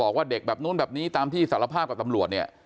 บอกว่าเด็กแบบนู้นแบบนี้ตามที่สารภาพกับตำรวจเนี่ย